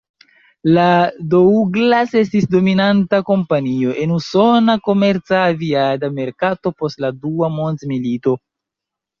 La Douglas estis dominanta kompanio en usona komerca aviada merkato post la dua mondmilito.